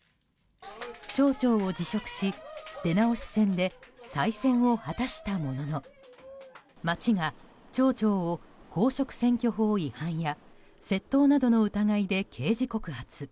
町長を辞職し、出直し選で再選を果たしたものの町が、町長を公職選挙法違反や窃盗などの疑いで刑事告発。